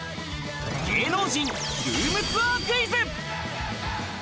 芸能人ルームツアークイズ。